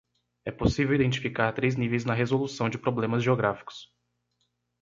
É possível identificar três níveis na resolução de problemas geográficos.